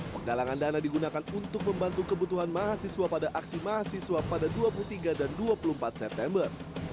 penggalangan dana digunakan untuk membantu kebutuhan mahasiswa pada aksi mahasiswa pada dua puluh tiga dan dua puluh empat september